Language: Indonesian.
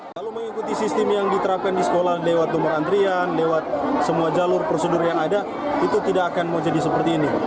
kalau mengikuti sistem yang diterapkan di sekolah lewat nomor antrian lewat semua jalur prosedur yang ada itu tidak akan mau jadi seperti ini